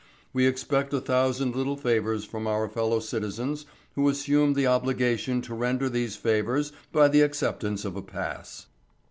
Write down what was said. We expect a thousand little favours from our fellow citizens who assume the obligation to render these favours by the acceptance of a pass.